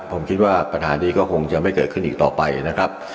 ผมคิดว่าปัญหานี้ก็คงจะไม่เกิดขึ้นอีกต่อไปนะครับ